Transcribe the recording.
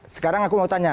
sekarang aku mau tanya